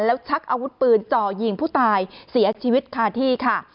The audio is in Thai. แล้วชักอาวุธปืนจ่อยิงผู้ตายเสียชีวิตคาที่ค่ะ